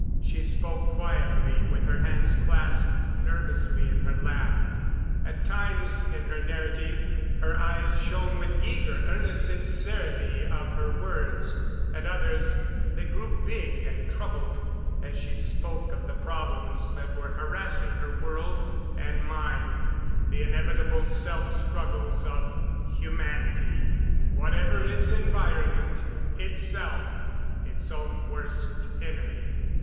She spoke quietly, with her hands clasped nervously in her lap. At times in her narrative her eyes shone with the eager, earnest sincerity of her words; at others they grew big and troubled as she spoke of the problems that were harassing her world and mine the inevitable self struggles of humanity, whatever its environment, itself its own worst enemy.